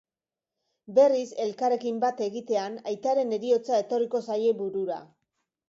Berriz elkarrekin bat egitean, aitaren heriotza etorriko zaie burura.